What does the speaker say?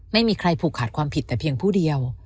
ไม่มีใครผูกขาดความผิดแต่เพียงผู้เดียว